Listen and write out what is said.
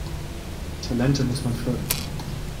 Talente muss man fördern.